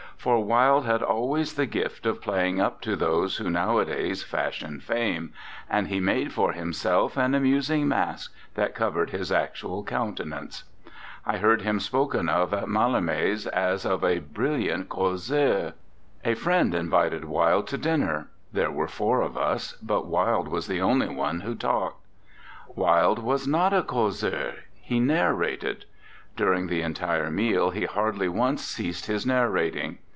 For Wilde had always the gift of playing up to those who nowadays fashion fame, and he made for himself an amusing mask that covered his actual counte nance. I heard him spoken of at Mallarme's as of a brilliant causeur. A friend in 28 ANDRE GIDE vited Wilde to dinner. There were four of us, but Wilde was the only one who talked. Wilde was not a causeur\ he narrated. During the entire meal he hardly once ceased his narrating.